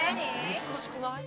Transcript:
難しくない？